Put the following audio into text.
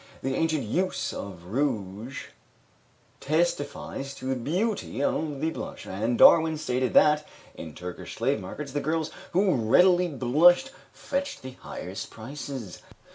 The ancient use of rouge testifies to the beauty of the blush, and Darwin stated that, in Turkish slave markets, the girls who readily blushed fetched the highest prices.